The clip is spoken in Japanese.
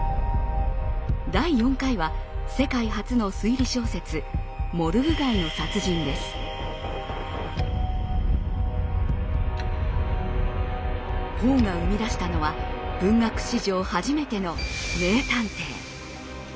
第４回は世界初の推理小説ポーが生み出したのは文学史上初めての名探偵。